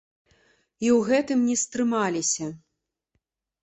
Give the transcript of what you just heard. І ў гэтым не стрымаліся.